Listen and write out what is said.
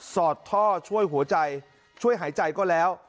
อดท่อช่วยหัวใจช่วยหายใจก็แล้ว